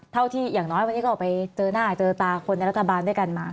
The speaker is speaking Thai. เท่าที่อย่างน้อยวันนี้ก็ไปเจอหน้าเจอตาคนในรัฐบาลด้วยกันมา